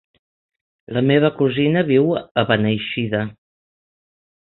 La meva cosina viu a Beneixida.